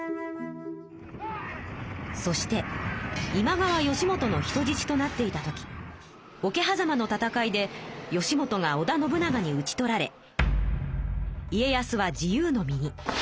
そして今川義元の人じちとなっていた時桶狭間の戦いで義元が織田信長にうち取られ家康は自由の身に。